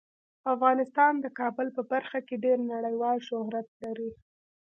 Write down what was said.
افغانستان د کابل په برخه کې ډیر نړیوال شهرت لري.